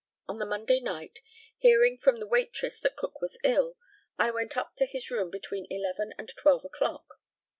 On the Monday night, hearing from the waitress that Cook was ill, I went up to his room between eleven and twelve o'clock.